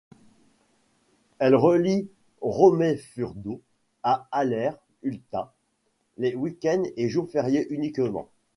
Elle relie Rómaifürdő à Haller utca, les week-ends et jours fériés uniquement.